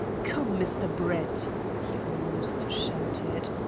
"Come, Mr. Brett," he almost shouted.